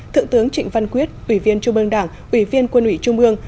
thượng tướng trịnh văn quyết ủy viên trung ương đảng ủy viên quân ủy trung ương